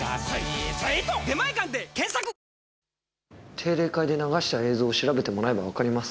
定例会で流した映像を調べてもらえばわかります。